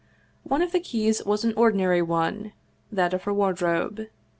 One of the keys was an ordinary one, that of her wardrobe.